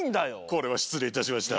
これはしつれいいたしました。